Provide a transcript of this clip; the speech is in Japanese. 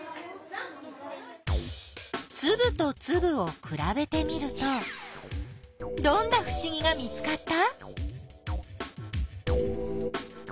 つぶとつぶをくらべてみるとどんなふしぎが見つかった？